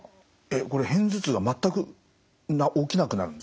片頭痛が全く起きなくなるんですか？